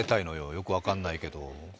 よく分からないけど。